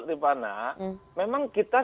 di mana memang kita